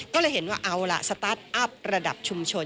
ก็เลยเห็นว่าเอาล่ะสตาร์ทอัพระดับชุมชน